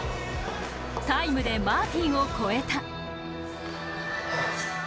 タイムでマーティンを超えた。